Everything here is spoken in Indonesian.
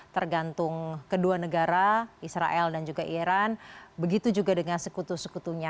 tergantung kedua negara israel dan juga iran begitu juga dengan sekutu sekutunya